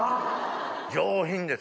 上品です。